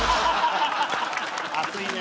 熱いね。